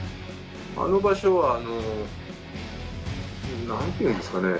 あの場所は、あのなんていうんですかね